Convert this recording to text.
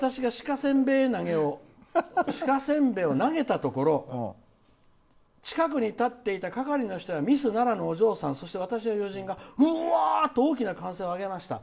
「私が鹿せんべいを投げたところ近くに立っていた係りの人やミス奈良のお嬢さんそして友人がうわっと大きな歓声を上げました。